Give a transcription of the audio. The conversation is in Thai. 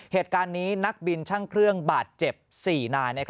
เหตุการณ์นี้นักบินช่างเครื่องบาดเจ็บ๔นาย